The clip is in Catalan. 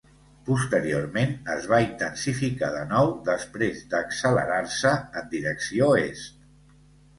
Posteriorment, es va intensificar de nou després d'accelerar-se en direcció est.